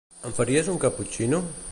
Ens faries un caputxino?